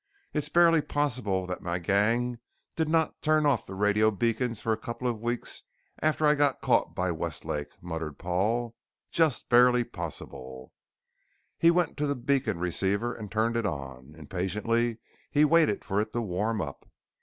"It's barely possible that my gang did not turn off the radio beacons for a couple of weeks after I got caught by Westlake," muttered Paul. "Just barely possible " He went to the beacon receiver and turned it on. Impatiently he waited for it to warm up.